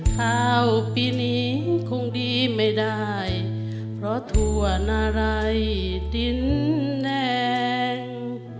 ข้าวปีนี้คงดีไม่ได้เพราะถั่วนารัยดินแดง